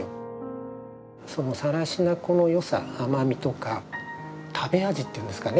更科粉の良さ甘みとか食べ味っていうんですかね